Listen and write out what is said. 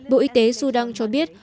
bộ y tế sudan cho biết